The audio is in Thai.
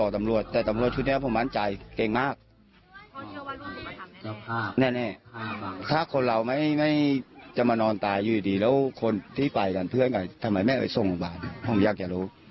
ทำไมแม่เอาไปส่งโรงพยาบาลห้องยักษ์อย่ารู้